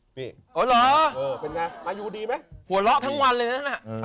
นี่อ๋อเหรอเป็นไงมายูดีไหมหัวเราะทั้งวันเลยนะ